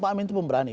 pak amin itu pemberani